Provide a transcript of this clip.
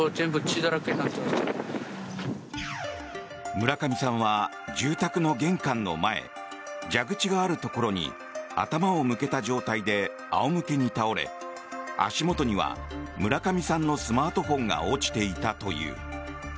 村上さんは住宅の玄関の前蛇口があるところに頭を向けた状態で仰向けに倒れ足元には村上さんのスマートフォンが落ちていたという。